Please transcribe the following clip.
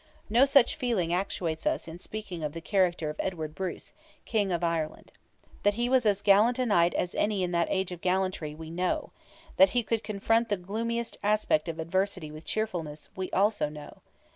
No such feeling actuates us in speaking of the character of Edward Bruce, King of Ireland. That he was as gallant a knight as any in that age of gallantry, we know; that he could confront the gloomiest aspect of adversity with cheerfulness, we also know.